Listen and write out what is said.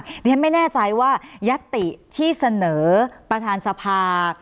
ดังนั้นข้อมึงมันไม่แน่ใจว่ายัตติที่เสนอประธานสภา